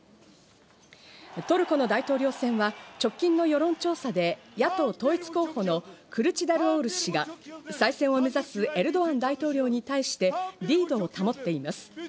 トルコの大統領選は直近の世論調査で野党統一候補のクルチダルオール氏が再選を目指すエルドアン大統領に対してリードを保っています。